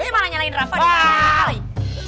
malah nyalain rafa di rumah